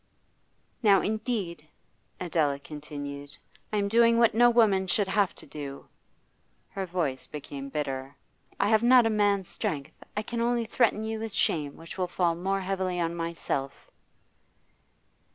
'Now indeed,' Adela continued, 'I am doing what no woman should have to do.' Her voice became bitter. 'I have not a man's strength; I can only threaten you with shame which will fall more heavily on myself.